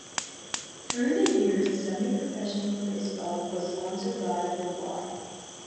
Through the years semi-professional baseball was sponsored by the "Y".